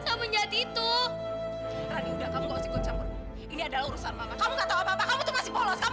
sama nyat itu ini adalah urusan kamu nggak tahu apa apa kamu masih polos kamu